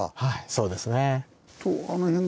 そうですね。